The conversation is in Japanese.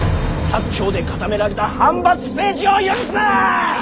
長で固められた藩閥政治を許すな！